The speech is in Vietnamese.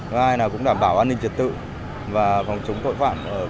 thứ hai là cũng đảm bảo an ninh trật tự và phòng chống tội phạm